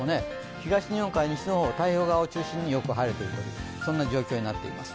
東日本から西日本、太平洋側を中心によく晴れている状況になっています。